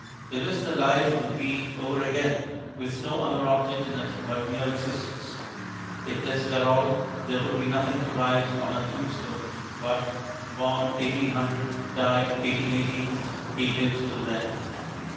It is the Life of the Bee over again, with no other object in it but mere existence. If this were all, there would be nothing to write on our tombstones but "Born 1800; Died 1880. _He lived till then.